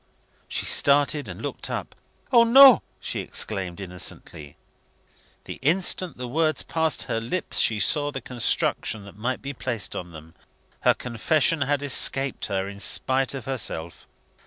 She started, and looked up. "O, no!" she exclaimed innocently. The instant the words passed her lips, she saw the construction that might be placed on them. Her confession had escaped her in spite of herself.